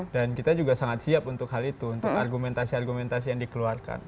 dan kita juga sangat siap untuk hal itu untuk argumentasi argumentasi yang dikeluarkan